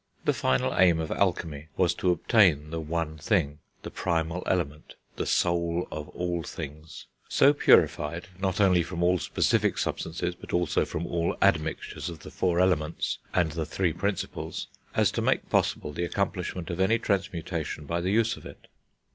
The final aim of alchemy was to obtain the One Thing, the Primal Element, the Soul of all Things, so purified, not only from all specific substances, but also from all admixture of the four Elements and the three Principles, as to make possible the accomplishment of any transmutation by the use of it.